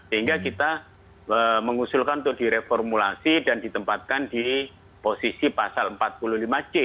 sehingga kita mengusulkan untuk direformulasi dan ditempatkan di posisi pasal empat puluh lima c